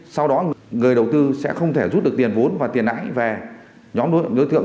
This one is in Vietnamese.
sau đó người đầu tư sẽ không thể rút được tiền vốn và tiền nãi về nhóm đối tượng